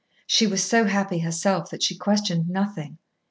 She was so happy herself that she questioned nothing.